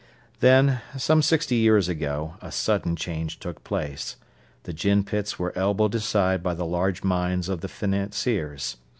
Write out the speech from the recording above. Then, some sixty years ago, a sudden change took place, gin pits were elbowed aside by the large mines of the financiers.